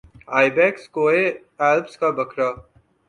آئی backs کوہ Alps کا بکرا